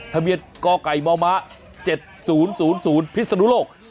ทะเบียนกไก่มม๗๐๐พิศนุโลก